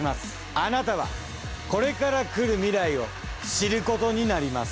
あなたはこれから来る未来を知ることになります。